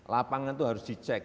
lapangan itu harus dicek